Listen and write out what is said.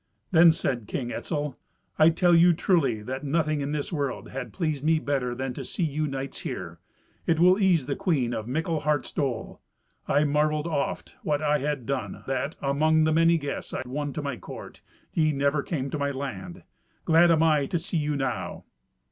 Then said King Etzel, "I tell you truly that nothing in this world had pleased me better than to see you knights here. It will ease the queen of mickle heart's dole. I marvelled oft what I had done, that, among the many guests I won to my court, ye never came to my land. Glad am I to see you now."